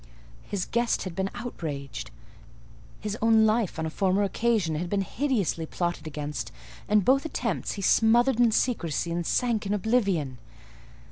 His guest had been outraged, his own life on a former occasion had been hideously plotted against; and both attempts he smothered in secrecy and sank in oblivion!